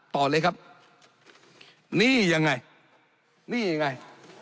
ต่อเลยครับนี่ยังไงนี่ไง